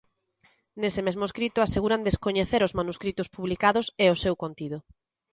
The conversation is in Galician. Nese mesmo escrito aseguran "descoñecer" os manuscritos publicados "e o seu contido".